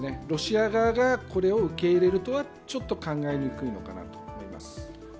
ロシア側がこれを受け入れるとはちょっと考えにくいのかなと思います。